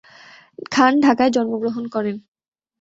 খান ঢাকায় জন্মগ্রহণ করেন।